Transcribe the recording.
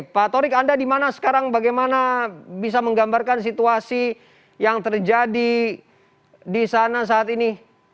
pak torik anda di mana sekarang bagaimana bisa menggambarkan situasi yang terjadi di sana saat ini